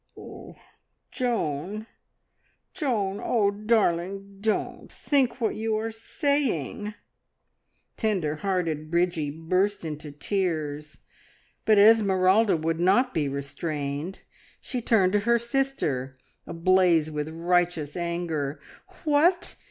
"Joan, Joan! Oh, darling, don't! Think what you are saying!" Tender hearted Bridgie burst into tears, but Esmeralda would not be restrained. She turned to her sister ablaze with righteous anger. "What!